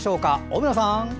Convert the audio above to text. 小村さん！